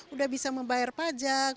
udah bisa membayar pajak